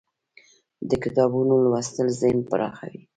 د کتابونو لوستل ذهن پراخوي.